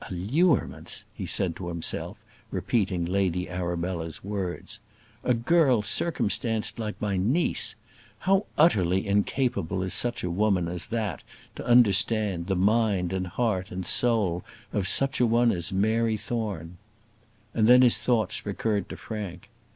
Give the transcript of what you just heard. "Allurements!" he said to himself, repeating Lady Arabella's words. "A girl circumstanced like my niece! How utterly incapable is such a woman as that to understand the mind, and heart, and soul of such a one as Mary Thorne!" And then his thoughts recurred to Frank.